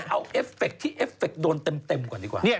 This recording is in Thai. เอาเอฟเฟคที่เอฟเฟคโดนเต็มก่อนดีกว่า